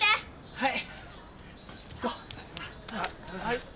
はい。